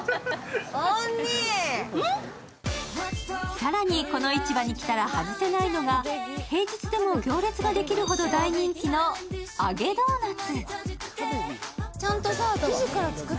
更にこの市場に来たら外せないのが平日でも行列ができるほどの揚げドーナツ。